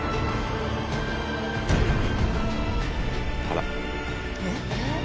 あら？